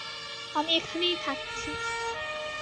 আমি এখানেই থাকছি।